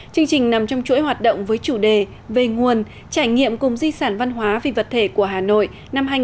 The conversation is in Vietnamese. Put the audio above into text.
chương trình nằm trong chuỗi hoạt động với chủ đề về nguồn trải nghiệm cùng di sản văn hóa vì vật thể của hà nội năm hai nghìn hai mươi